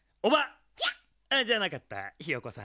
ピャッ⁉じゃなかったひよこさん。